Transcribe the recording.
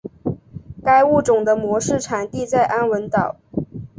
该物种的模式产地在安汶岛。